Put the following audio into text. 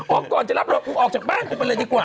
ออกก่อนจะรับหลอกผมออกจากบ้านออกมาแล้วดีกว่า